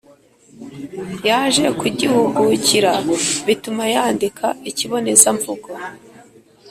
yaje kugihugukira bituma yandika ikibonezamvugo